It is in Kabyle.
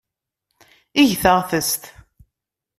Eg taɣtest.